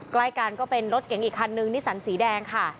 ใกล้กันก็เป็นรถเก๋งอีกคันนึงนิสันสีแดงค่ะ